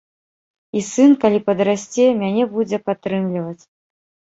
І сын, калі падрасце, мяне будзе падтрымліваць.